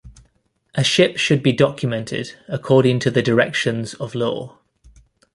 A ship should be documented according to the directions of law.